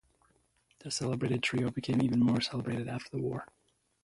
The celebrated trio became even more celebrated after the war.